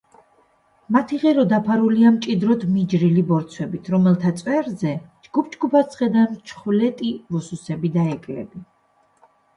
მათი ღერო დაფარულია მჭიდროდ მიჯრილი ბორცვებით, რომელთა წევრზე ჯგუფ-ჯგუფად სხედან მჩხვლეტი ბუსუსები და ეკლები.